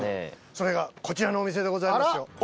それがこちらのお店でございますよ